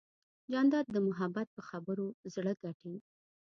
جانداد د محبت په خبرو زړه ګټي.